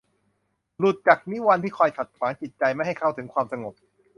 หลุดจากนิวรณ์ที่คอยขัดขวางจิตใจไม่ให้เข้าถึงความสงบ